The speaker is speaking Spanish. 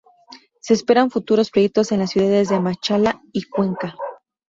Se esperan futuros proyectos en las ciudades de Machala y Cuenca.